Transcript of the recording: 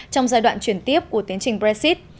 trong giai đoạn chuyển tiếp của tiến trình brexit